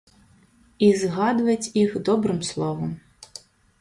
І згадваць іх добрым словам!